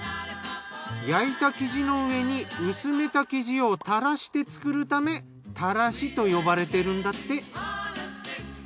焼いた生地の上に薄めた生地をたらして作るためたらしと呼ばれているんだって。